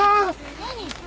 何？